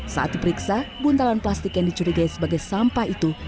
saat diperiksa buntalan plastik yang dicurigai sebagai sampah itu